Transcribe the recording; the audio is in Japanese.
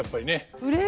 うれしい！